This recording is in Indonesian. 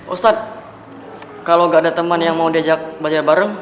ustadz kalau gak ada teman yang mau diajak belajar bareng